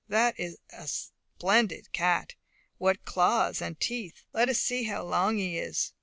That is a splendid cat! What claws and teeth! Let us see how long he is."